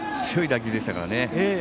強い打球でしたから。